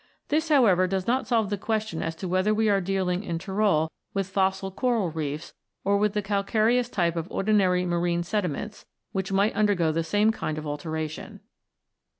This, however, does not solve the question as to whether we are dealing in Tyrol with fossil coral reefs, or with the calcareous type of ordinary marine sedi ments, which might undergo the same kind of alteration.